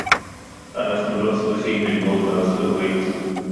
אנחנו לא צריכים ללמוד מארצות-הברית